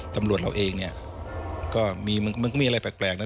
ทำลวดเราเองก็มีอะไรแปลกนะ